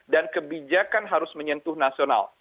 dan kebijakan harus menyentuh nasional